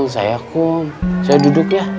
saya duduk ya